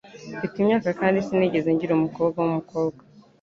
Mfite imyaka kandi sinigeze ngira umukobwa wumukobwa.